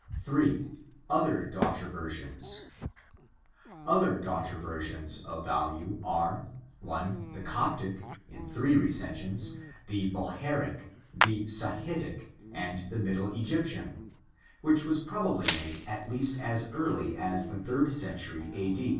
3. Other daughter versions. — Other daughter versions of value are (;) the Coptic, in three recensions, the Bohairic, the Sahidic, and the Middle Egyptian, which was probably made at least as early as the third century a.